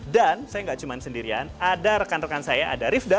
dan saya gak cuman sendirian ada rekan rekan saya ada rifda